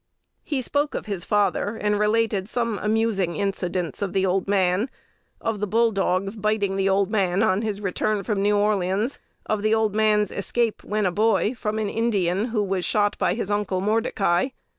He spoke of his father, and related some amusing incidents of the old man; of the bull dogs' biting the old man on his return from New Orleans; of the old man's escape, when a boy, from an Indian who was shot by his uncle Mordecai.